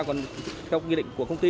còn theo kỳ định của công ty